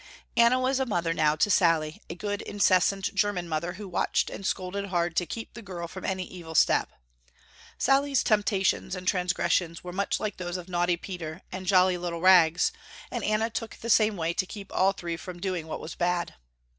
Anna was a mother now to Sallie, a good incessant german mother who watched and scolded hard to keep the girl from any evil step. Sallie's temptations and transgressions were much like those of naughty Peter and jolly little Rags, and Anna took the same way to keep all three from doing what was bad.